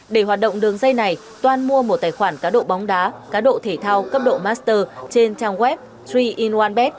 để hoạt động đường dây này toan mua một tài khoản cá độ bóng đá cá độ thể thao cấp độ master trên trang web dre inoanbet